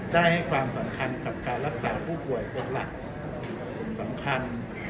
ได้ให้ความสำคัญกับการรักษาผู้ป่วยเป็นหลักสำคัญ